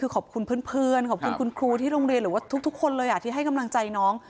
ขอบคุณคุณครูที่โรงเรียนหรือว่าทุกคนเลยที่ให้กำลังใจน้อง